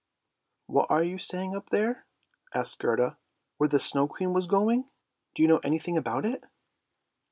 " What are you saying up there? " asked Gerda. " Where was the Snow Queen going? Do you know anything about it?